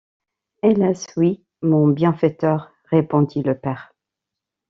Hélas, oui, mon bienfaiteur! répondit le père.